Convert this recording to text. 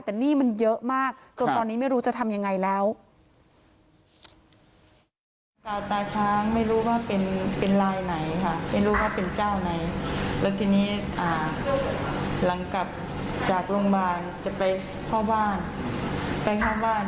แต่หนี้มันเยอะมากจนตอนนี้ไม่รู้จะทำยังไงแล้ว